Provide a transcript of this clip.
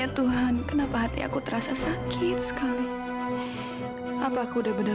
tapi gaser masih mau mungkir